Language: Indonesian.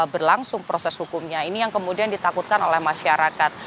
berlangsung proses hukumnya ini yang kemudian ditakutkan oleh masyarakat